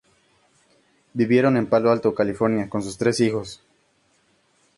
Vivieron en Palo Alto, California, con sus tres hijos.